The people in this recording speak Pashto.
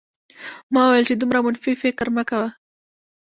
ما وویل چې دومره منفي فکر مه کوه